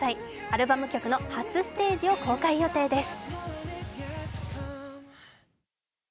アルバム曲の初ステージを公開予定です。